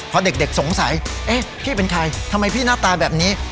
พอเด็กสงสัยเอ๊ะพี่เป็นใครทำไมพี่หน้าตาแบบนี้